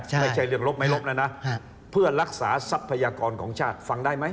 ไม่ใช่เรื่องลบไม่ลบแล้วนะเพื่อรักษาทรัพยากรของชาติฟังได้ไหม